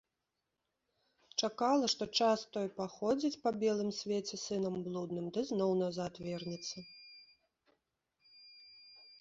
Чакала, што час той паходзіць па белым свеце сынам блудным ды зноў назад вернецца.